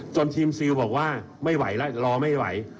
ทีมซิลบอกว่าไม่ไหวแล้วรอไม่ไหว